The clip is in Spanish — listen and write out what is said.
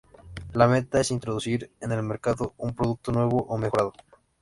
La meta es introducir en el mercado un producto nuevo o mejorado.